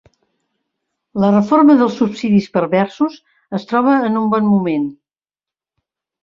La reforma dels subsidis perversos es troba en un bon moment.